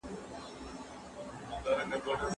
د نجونو تعليم د ګډو هڅو موثريت زياتوي.